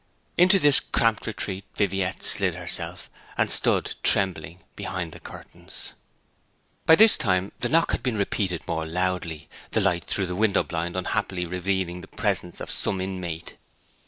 Into this cramped retreat Viviette slid herself, and stood trembling behind the curtains. By this time the knock had been repeated more loudly, the light through the window blind unhappily revealing the presence of some inmate.